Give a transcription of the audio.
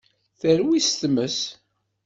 Terwi s tmes.